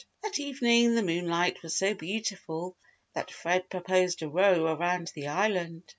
That evening, the moonlight was so beautiful that Fred proposed a row around the Island.